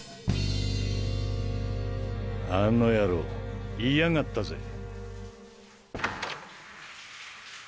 あの野郎いやがったぜ。